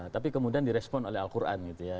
tapi kemudian di respon oleh al quran gitu ya